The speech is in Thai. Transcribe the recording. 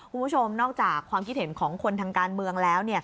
คุณผู้ชมนอกจากความคิดเห็นของคนทางการเมืองแล้ว